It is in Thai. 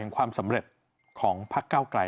ของความสำเร็จของพระเก้าไกร